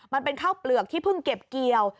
มันเป็นข้าวเปลือกที่เพิ่งเก็บเกี่ยว